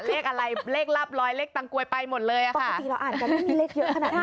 เลขอะไรเลขลาบร้อยเลขตังกวยไปหมดเลยอ่ะปกติเราอ่านกันนี่เลขเยอะขนาดนี้